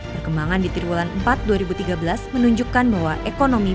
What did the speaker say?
perkembangan di triwulan empat dua ribu tiga belas menunjukkan bahwa ekonomi